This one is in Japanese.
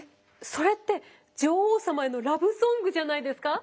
それって女王様へのラブソングじゃないですか？